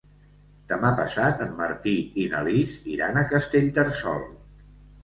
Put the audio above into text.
Demà passat en Martí i na Lis iran a Castellterçol.